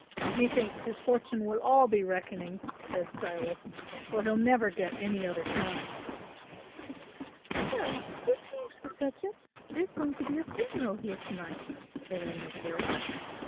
"Methinks his fortune will all be reckonings," said Silas, "for he'll never get any other kind." "Well, we'll change the subject; there's going to be a funeral here to night," Aline observed.